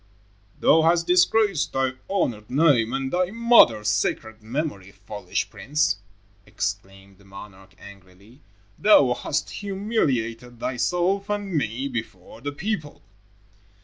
"Thou hast disgraced thy honored name and thy mother's sacred memory, foolish prince," exclaimed the monarch angrily. "Thou hast humiliated thyself and me before the people."